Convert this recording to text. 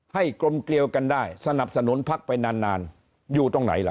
กลมเกลียวกันได้สนับสนุนพักไปนานนานอยู่ตรงไหนล่ะ